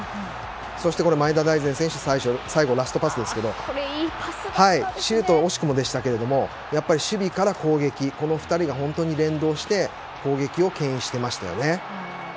そして前田大然選手の最後ラストパスですがシュートは惜しくもでしたけど守備から攻撃この２人が本当に連動して攻撃を牽引していました。